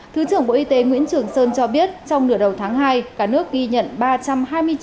thứ trưởng bộ y tế nguyễn trường sơn cho biết trong nửa đầu tháng hai cả nước ghi nhận ba trăm hai mươi chín trường hợp